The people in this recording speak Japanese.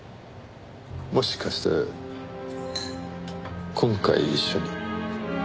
もしかして今回一緒に？